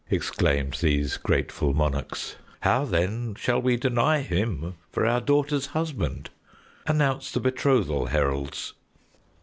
exclaimed these grateful monarchs. "How then shall we deny him for our daughter's husband? Announce the betrothal, heralds!"